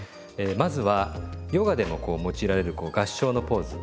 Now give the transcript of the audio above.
まずはヨガでもこう用いられる合掌のポーズ。